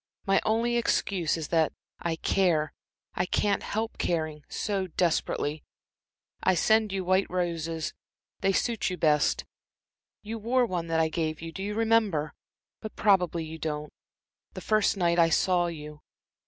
My only excuse is that I care I can't help caring so desperately. I send you white roses they suit you best. You wore one that I gave you do you remember? but probably you don't the first night I saw you.